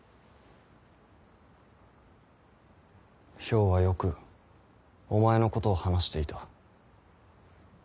漂はよくお前のことを話していた。